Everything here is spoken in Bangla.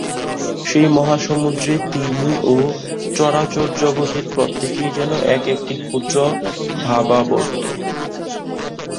সেই মহাসমুদ্রে তিনি ও চরাচর জগতের প্রত্যেকেই যেন এক-একটি ক্ষুদ্র ভাবাবর্ত।